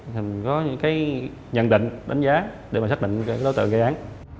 thì mình có những cái nhận định đánh giá để mình xác định các cái đối tượng gây án